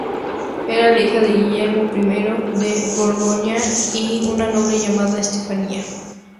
Era la hija de Guillermo I de Borgoña y una noble llamada Estefanía.